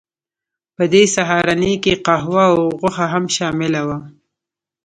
په دې سهارنۍ کې قهوه او غوښه هم شامله وه